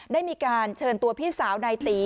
ได้มีการเชิญตัวพี่สาวนายตี